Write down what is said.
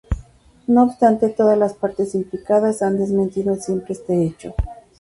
No obstante, todas las partes implicadas han desmentido siempre este hecho.